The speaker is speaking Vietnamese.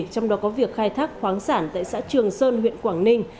trong đó có việc khai thác khoáng sản tại xã trường sơn huyện quảng ninh